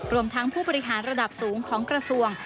รวมทั้งผู้บริหารระดับสูงของกระทรวง